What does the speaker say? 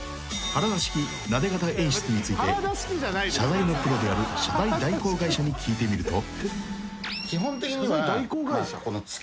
［原田式なで肩演出について謝罪のプロである謝罪代行会社に聞いてみると］